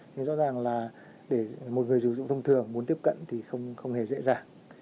nhưng rõ ràng là để một người dùng dụng thông thường muốn tiếp cận thì không hề dễ dàng